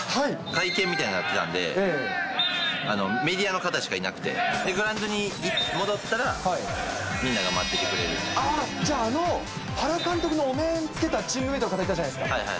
会見みたいなのをやってたんで、メディアの方しかいなくて、グラウンドに戻ったら、じゃあ、あの原監督のお面つけたチームメートの方いたじゃないですか。